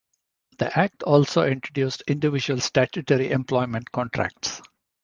The Act also introduced individual statutory employment contracts.